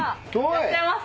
いらっしゃいませ。